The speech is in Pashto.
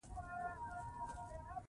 ډيپلومات د افکارو تبادله کوي.